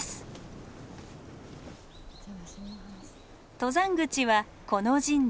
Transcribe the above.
登山口はこの神社。